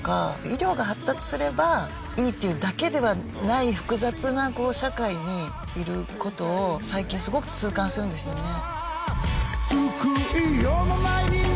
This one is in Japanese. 医療が発達すればいいっていうだけではない複雑な社会にいる事を最近すごく痛感するんですよね。